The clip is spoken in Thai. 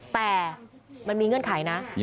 คือไม่ห่วงไม่หาวแล้วไป